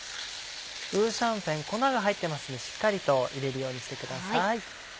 五香粉粉が入ってますのでしっかりと入れるようにしてください。